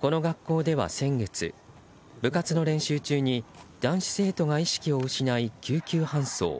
この学校では、先月部活の練習中に男子生徒が意識を失い、救急搬送。